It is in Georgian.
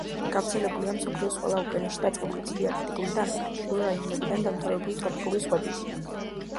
გავრცელებულია მსოფლიოს ყველა ოკეანეში, დაწყებული ცივი არქტიკული და ანტარქტიკული რაიონებიდან დამთავრებული ტროპიკული ზღვებით.